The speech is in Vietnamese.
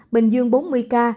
bình dương bốn mươi ca